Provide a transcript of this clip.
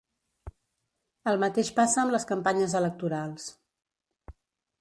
El mateix passa amb les campanyes electorals.